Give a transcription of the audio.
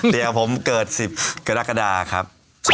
เดี๋ยวผมเกิด๑๐กรกฎาครับ